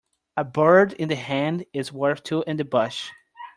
A bird in the hand is worth two in the bush.